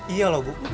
iya loh bu